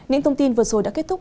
những thông tin vừa rồi đã kết thúc